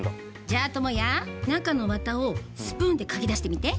じゃあトモヤ中のワタをスプーンでかき出してみて。